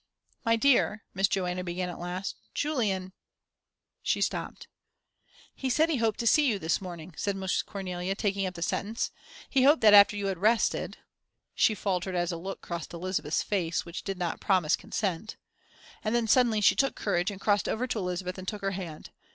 "My dear," Miss Joanna began at last, "Julian" she stopped. "He said he hoped to see you this morning," said Miss Cornelia, taking up the sentence. "He hoped that after you had rested" she faltered as a look crossed Elizabeth's face, which did not promise consent. And then suddenly she took courage and crossed over to Elizabeth and took her hand.